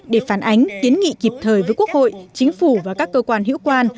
để phản ánh kiến nghị kịp thời với quốc hội chính phủ và các cơ quan hữu quan